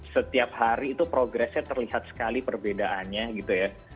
setiap hari itu progresnya terlihat sekali perbedaannya gitu ya